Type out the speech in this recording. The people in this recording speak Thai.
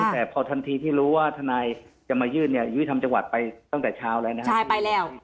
แต่พอทันทีที่รู้ว่าทนายจะมายื่นเนี่ยยุติธรรมจังหวัดไปตั้งแต่เช้าแล้วนะฮะใช่ไปแล้ว